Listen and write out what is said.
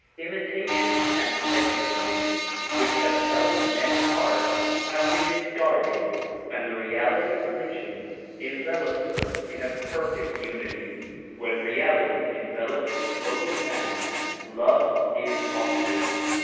Imitations and prejudices which have held men apart have been discarded and the reality of religion envelops them in a perfect unity. When reality envelops the soul of man love is possible.